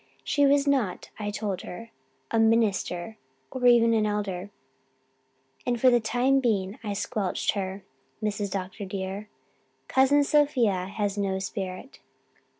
She was not, I told her, a minister or even an elder. And for the time being I squelched her, Mrs. Dr. dear. Cousin Sophia has no spirit.